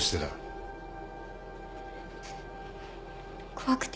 怖くて。